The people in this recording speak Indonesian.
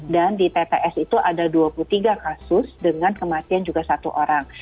dan di tts itu ada dua puluh tiga kasus dengan kematian juga satu orang